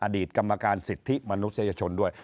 อดีตกรรมการสิทธิมนุษยชนด้วย